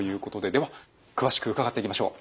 では詳しく伺っていきましょう。